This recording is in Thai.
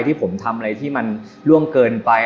ที่ผมทำอะไรที่มันล่วงเกินไป